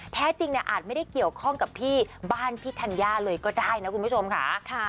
แท้จริงอาจไม่ได้เกี่ยวข้องกับที่บ้านพี่ธัญญาเลยก็ได้นะคุณผู้ชมค่ะ